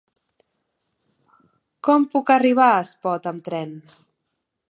Com puc arribar a Espot amb tren?